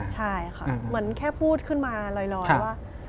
ใช่ค่ะเหมือนแค่พูดขึ้นมาลอยว่า